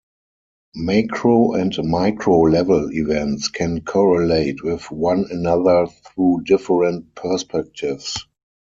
Macro and Micro level events can correlate with one another through different perspectives.